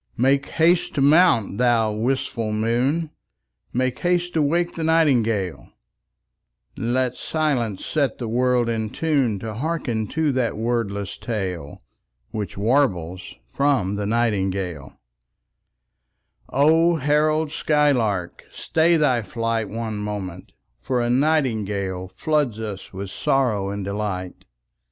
Make haste to mount, thou wistful moon, Make haste to wake the nightingale: Let silence set the world in tune To hearken to that wordless tale Which warbles from the nightingale O herald skylark, stay thy flight One moment, for a nightingale Floods us with sorrow and delight.